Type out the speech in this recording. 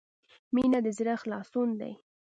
• مینه د زړۀ خلاصون دی.